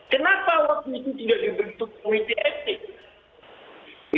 kenapa waktu itu tidak dibentuk komite etik